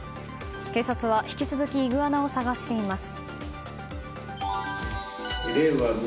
警察は引き続きイグアナを捜しています。